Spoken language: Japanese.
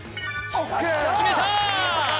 決めたー！